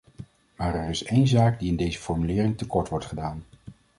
Maar er is één zaak die in deze formuleringen tekort wordt gedaan.